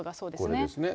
これですね。